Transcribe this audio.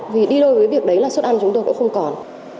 vì đi đôi với việc đấy là suất ăn chúng tôi cũng không còn